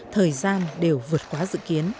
thời gian đều vượt quá dữ